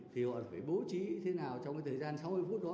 thì họ lại phải bố trí thế nào trong cái thời gian sáu mươi phút đó